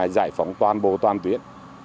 giải phóng toàn bộ toàn tuyến